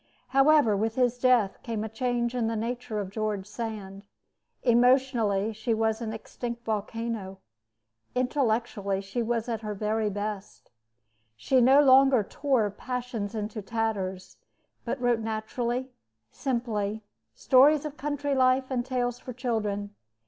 However, with his death came a change in the nature of George Sand. Emotionally, she was an extinct volcano. Intellectually, she was at her very best. She no longer tore passions into tatters, but wrote naturally, simply, stories of country life and tales for children.